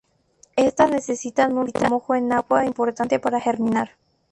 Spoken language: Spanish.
Estas necesitan un remojo en agua importante para germinar.